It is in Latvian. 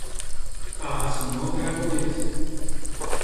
Kā esmu nogrēkojies?